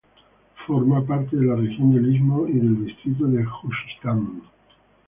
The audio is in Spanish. Forma parte de la Región del Istmo y del Distrito de Juchitán.